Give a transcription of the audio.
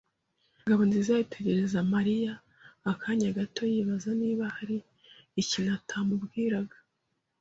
Ngabonziza yitegereza Mariya akanya gato yibaza niba hari ikintu atamubwiraga.